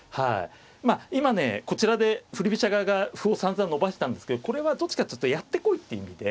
まあ今ねこちらで振り飛車側が歩をさんざん伸ばしたんですけどこれはどっちかっていうとやってこいって意味で。